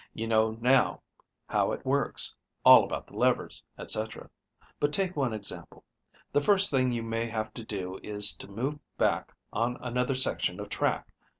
You know now how it works, all about the levers, etc. But, take one example. The first thing you may have to do is to move back on another section of track.